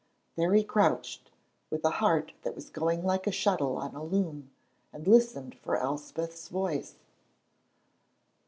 There he crouched, with a heart that was going like a shuttle on a loom, and listened for Elspeth's voice.